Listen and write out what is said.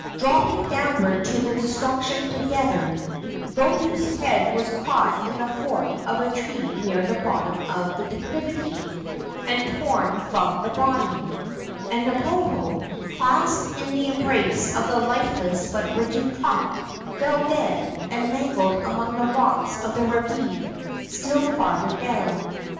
Dropping downward to destruction together, Lotu's head was caught in the fork of a tree near the bottom of the declivity and torn from the body, and Napopo, clasped in the embrace of the lifeless but rigid trunk, fell dead and mangled among the rocks of the ravine still farther down.